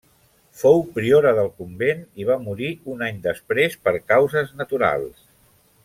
Fou priora del convent i va morir un any després per causes naturals.